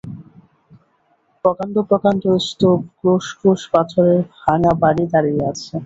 প্রকাণ্ড প্রকাণ্ড স্তূপ, ক্রোশ ক্রোশ পাথরের ভাঙা বাড়ী দাঁড়িয়ে আছে।